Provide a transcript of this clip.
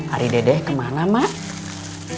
ari dedeh kemana mak